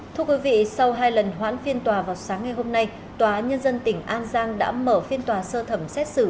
thưa quý vị sau hai lần hoãn phiên tòa vào sáng ngày hôm nay tòa nhân dân tỉnh an giang đã mở phiên tòa sơ thẩm xét xử